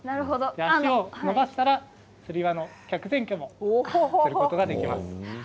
足を伸ばしたらつり輪の脚線美も得ることができます。